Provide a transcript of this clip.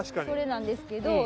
それなんですけど。